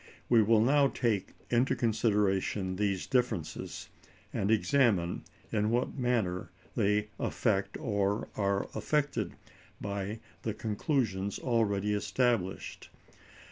We will now take into consideration these differences, and examine in what manner they affect or are affected by the conclusions already established.